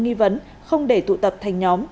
nghi vấn không để tụ tập thành nhóm